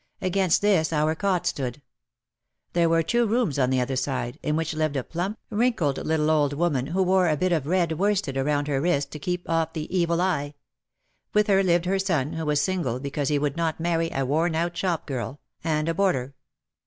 Against this our cot stood. There were two rooms on the other side, in which lived a plump, wrinkled little old woman who wore a bit of red worsted around her wrist to keep off the "Evil Eye." With her lived her son, who was single because he would not marry "a worn out shop girl," and a boarder.